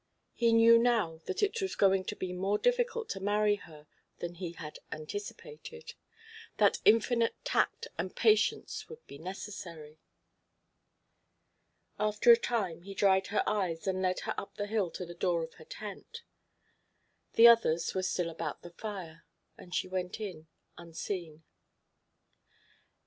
He knew now that it was going to be more difficult to marry her than he had anticipated, that infinite tact and patience would be necessary. After a time, he dried her eyes and led her up the hill to the door of her tent. The others were still about the fire, and she went in unseen.